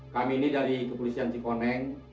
kami ini dari kepolisian cikoneng